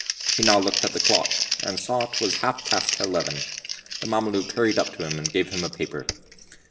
He now looked at the clock, and saw 't was half past eleven. The Mameluke hurried up to him and gave him a paper.